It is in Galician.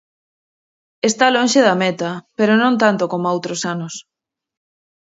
Está lonxe da meta, pero non tanto coma outros anos.